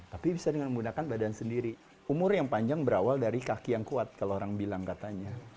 tapi bisa dengan menggunakan badan sendiri umur yang panjang berawal dari kaki yang kuat kalau orang bilang katanya